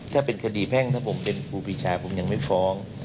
ถ้าเป็นคดีแพ่งถ้าผมเป็นครูปีชาผมยังไม่ฟ้อง